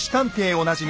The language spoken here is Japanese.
おなじみ